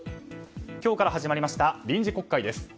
今日から始まった臨時国会です。